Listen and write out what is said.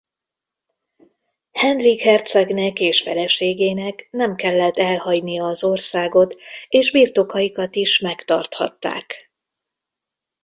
Henrik hercegnek és feleségének nem kellett elhagynia az országot és birtokaikat is megtarthatták.